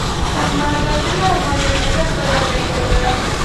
معتزله او غالب نظر بله بېلګه ده